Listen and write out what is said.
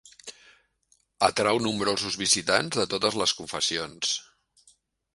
Atrau nombrosos visitants de totes les confessions.